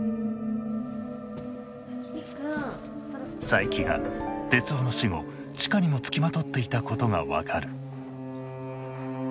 佐伯が徹生の死後千佳にもつきまとっていたことが分かる。